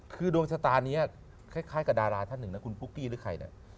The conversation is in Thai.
คือดวงชะตานี้คล้ายกับดาราท่านหนึ่งนะคุณปุ๊กกี้หรือใครเนี่ย